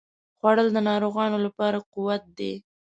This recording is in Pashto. خوړل د ناروغانو لپاره قوت دی